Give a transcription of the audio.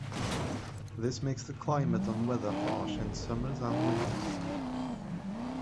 This makes the climate and weather harsh, in summers and winters.